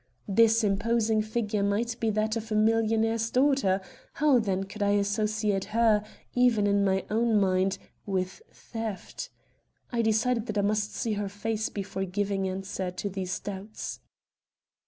This imposing figure might be that of a millionaire's daughter; how then could I associate her, even in my own mind, with theft? I decided that I must see her face before giving answer to these doubts.